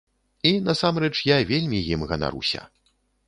І, насамрэч, я вельмі ім ганаруся.